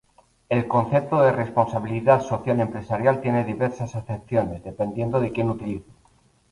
El concepto de responsabilidad social empresarial tiene diversas acepciones, dependiendo de quien lo utilice.